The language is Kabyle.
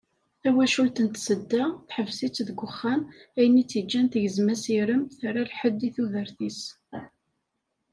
Tawacult n Tsedda, teḥbes-itt deg uxxam, ayen i tt-yeǧǧan tegzem asirem, terra lḥedd i tudert-is.